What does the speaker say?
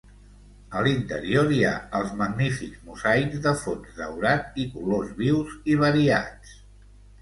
A l'interior, hi ha els magnífics mosaics de fons daurat i colors vius i variats.